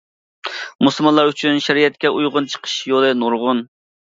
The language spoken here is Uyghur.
مۇسۇلمانلار ئۈچۈن شەرىئەتكە ئۇيغۇن چىقىش يولى نۇرغۇن.